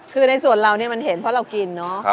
คือในส่วนเรามันเห็นเพราะเรากิน